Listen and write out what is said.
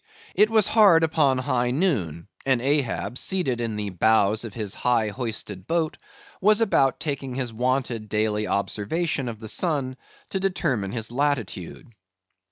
It was hard upon high noon; and Ahab, seated in the bows of his high hoisted boat, was about taking his wonted daily observation of the sun to determine his latitude.